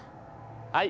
はい。